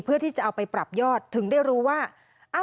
เพื่อที่จะเอาไปปรับยอดถึงได้รู้ว่า